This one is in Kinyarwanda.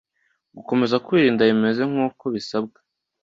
gukomeza kwirinda bimeze nkuko bisabwa